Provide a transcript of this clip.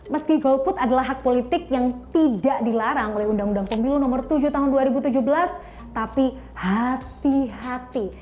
meski golput adalah hak politik yang tidak dilarang oleh undang undang pemilu nomor tujuh tahun dua ribu tujuh belas tapi hati hati